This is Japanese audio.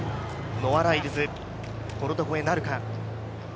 ノア・ライルズ、ボルト超えなるか。